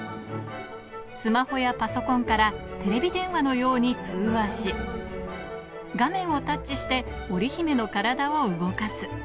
スマホやパソコンから、テレビ電話のように通話し、画面をタッチしてオリヒメのカラダを動かす。